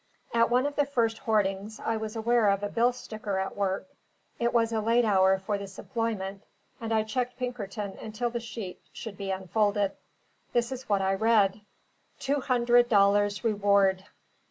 At one of the first hoardings, I was aware of a bill sticker at work: it was a late hour for this employment, and I checked Pinkerton until the sheet should be unfolded. This is what I read: TWO HUNDRED DOLLARS REWARD.